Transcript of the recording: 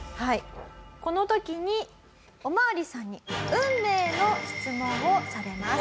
この時にお巡りさんに運命の質問をされます。